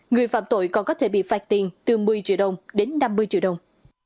người phạm tội còn có thể bị phạt tiền từ một mươi triệu đồng đến năm mươi triệu đồng